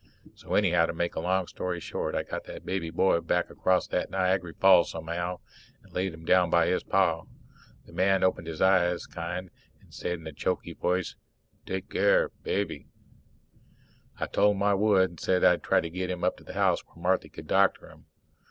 So anyhow, to make a long story short, I got that baby boy back across that Niagary falls somehow, and laid him down by his Pa. The man opened his eyes kind, and said in a choky voice, "Take care baby." I told him I would, and said I'd try to get him up to the house where Marthy could doctor him.